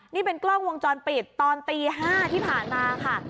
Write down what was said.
นี่เป็นกล้องวงจรปิดตอนตี๕ที่ผ่านมาค่ะ